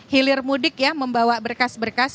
hilir mudik ya membawa berkas berkas